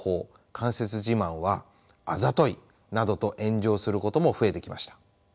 間接自慢は「あざとい」などと炎上することも増えてきました。